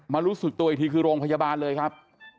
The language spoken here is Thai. รู้สึกตัวอีกทีคือโรงพยาบาลเลยครับ